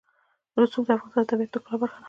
رسوب د افغانستان د طبیعت د ښکلا برخه ده.